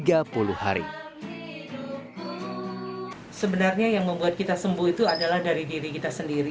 sebenarnya yang membuat kita sembuh itu adalah dari diri kita sendiri